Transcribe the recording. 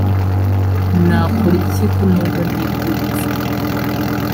nakora iki ko numva nigunze ‽